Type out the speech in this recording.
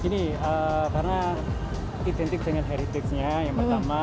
gini karena identik dengan heritage nya yang pertama